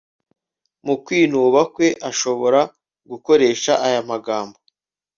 mu kwinuba kwe ashobora gukoresha aya magambo